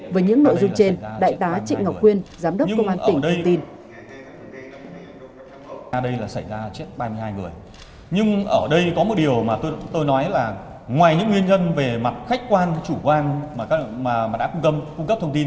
với những nội dung trên đại tá trịnh ngọc quyên giám đốc công an tỉnh đưa tin